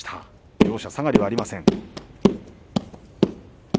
両者、下がりはありません。